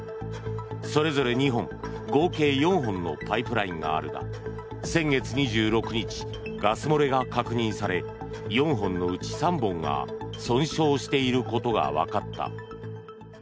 それぞれ２本合計４本のパイプラインがあるが先月２６日、ガス漏れが確認され４本のうち３本が損傷していることが分かった。